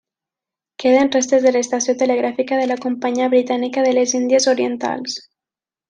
Queden restes de l'estació telegràfica de la Companyia Britànica de les Índies Orientals.